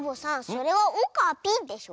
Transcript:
それは「オカピ」でしょ。